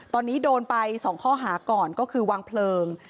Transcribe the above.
ตอนนี้โดนไป๒ข้อหาก่อนก็คือวางเพลิง